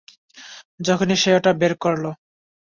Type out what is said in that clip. যখনি সে ওটা বের করল।